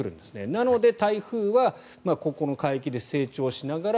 なので、台風はここの海域で成長しながら